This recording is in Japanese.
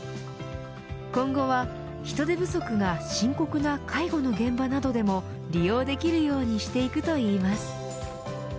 今後は人手不足が深刻な介護の現場などでも利用できるようにしていくといいます。